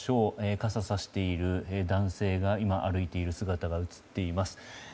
傘をさしている男性が今歩いている姿が映っています。